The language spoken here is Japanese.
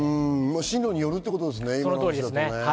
進路によるってことですね。